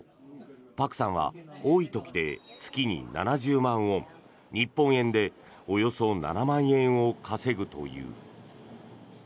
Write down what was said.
パクさんは多い時で月に７０万ウォン日本円でおよそ７万円を稼ぐという。